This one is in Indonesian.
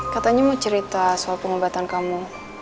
katanya mau cerita soal pengobatan kamu